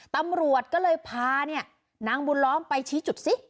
ตำรวจก็เลยพาเนี่ยนางบุญล้อมไปชี้จุดสิ